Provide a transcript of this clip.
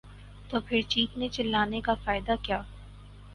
تو پھر چیخنے چلانے کا فائدہ کیا؟